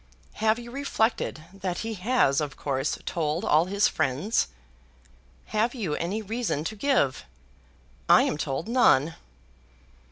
] Have you reflected that he has of course told all his friends? Have you any reason to give? I am told, none!